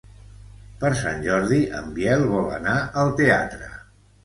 Per Sant Jordi en Biel vol anar al teatre.